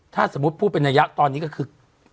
ถ้าสมมุติพูดเป็นนัยยะตอนนี้ก็คือ